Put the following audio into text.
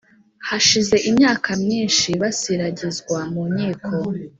Hashize imyaka myinshi basiragizwa mu nkiko